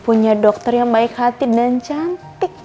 punya dokter yang baik hati dan cantik